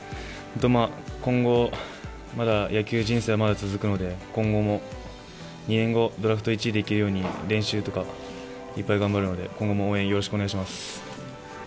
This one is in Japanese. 今後、野球人生はまだ続くので２年後、ドラフト１位でいけるように練習とか、いっぱい頑張るので、今後も応援よろしくお願いします。